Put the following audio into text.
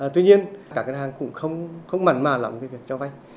tuy nhiên các ngân hàng cũng không mạnh mà lắm cho vai